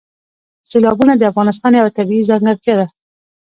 سیلابونه د افغانستان یوه طبیعي ځانګړتیا ده.